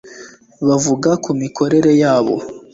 bavuga ku mikorere yabo